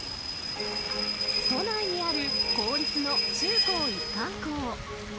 都内にある公立の中高一貫校。